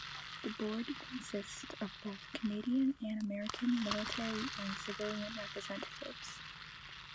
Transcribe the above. The board consists of both Canadian and American military and civilian representatives.